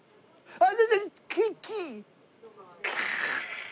あっ！